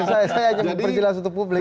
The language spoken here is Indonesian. saya hanya memperjelas untuk publik